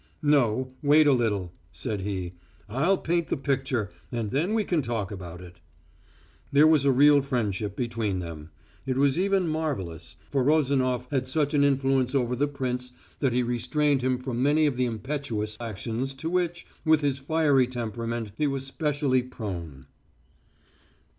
"No, wait a little," said he. "I'll paint the picture and then we can talk about it." There was a real friendship between them. It was even marvellous for Rozanof had such an influence over the prince that he restrained him from many of the impetuous and thoughtless actions to which, with his fiery temperament, he was specially prone.